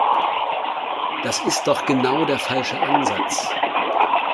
Das ist doch genau der falsche Ansatz!